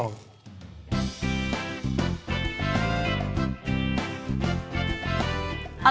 อาหาร